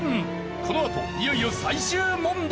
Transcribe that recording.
このあといよいよ最終問題。